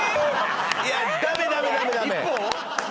いやダメダメダメダメ！